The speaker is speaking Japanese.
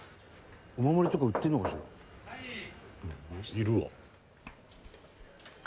「いるわ」